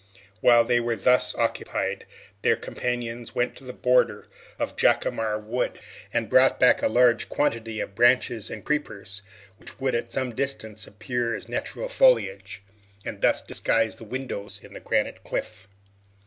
While they were thus occupied, their companions went to the border of Jacamar Wood, and brought back a large quantity of branches and creepers, which would at some distance appear as natural foliage, and thus disguise the windows in the granite cliff.